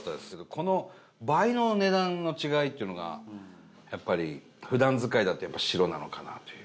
この倍の値段の違いっていうのがやっぱり普段使いだと白なのかなという。